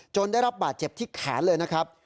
ได้รับบาดเจ็บที่แขนเลยนะครับ